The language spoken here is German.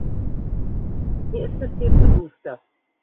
Mir ist es hier zu duster.